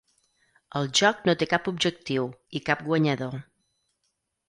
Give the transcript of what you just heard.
El joc no té cap objectiu, i cap guanyador.